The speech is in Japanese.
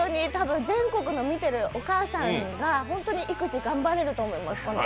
全国の見てるお母さんがホントにこの歌で育児、頑張れると思います